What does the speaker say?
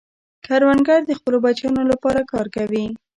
کروندګر د خپلو بچیانو لپاره کار کوي